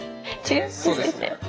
そうですね。